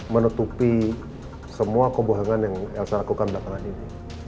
menutupi semua kebohongan yang elsa lakukan belakangan ini